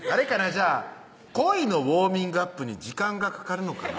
じゃあ恋のウオーミングアップに時間がかかるのかな？